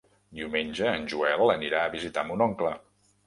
Diumenge en Joel anirà a visitar mon oncle.